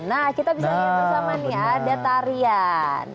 nah kita bisa lihat bersama nih ada tarian